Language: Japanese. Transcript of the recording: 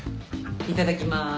いただきます。